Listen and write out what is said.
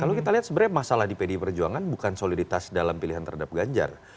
kalau kita lihat sebenarnya masalah di pdi perjuangan bukan soliditas dalam pilihan terhadap ganjar